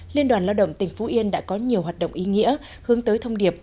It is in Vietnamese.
liên đoàn lao động tỉnh phú yên đã có nhiều hoạt động ý nghĩa hướng tới thông điệp